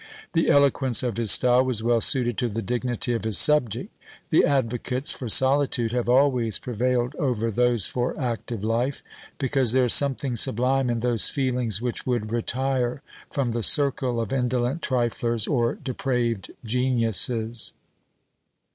The eloquence of his style was well suited to the dignity of his subject; the advocates for solitude have always prevailed over those for active life, because there is something sublime in those feelings which would retire from the circle of indolent triflers, or depraved geniuses.